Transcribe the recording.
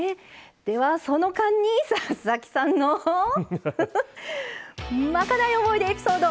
では、その間に佐々木さんのまかない思い出エピソード。